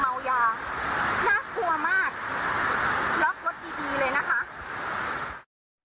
น่ากลัวมากล็อกรถดีเลยนะคะ